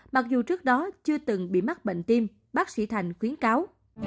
mặc dù trước đó chưa từng bị mắc bệnh tim bác sĩ thành khuyến cáo